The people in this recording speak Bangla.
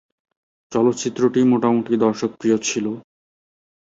চলচ্চিত্রটি মোটামুটি দর্শকপ্রিয় ছিলো।